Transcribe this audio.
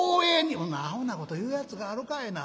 「ほんなアホなこと言うやつがあるかいな」。